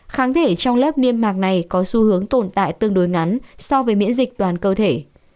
kháng thể trong lớp niêm mạc này có xu hướng tồn tại tương đối ngắn so với miễn dịch toàn cơ thể